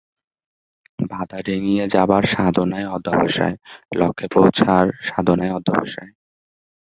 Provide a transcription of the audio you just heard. বাঁধা ডিঙিয়ে যাবার সাধনাই অধ্যবসায়, লক্ষ্যে পৌছার সাধনাই অধ্যবসায়।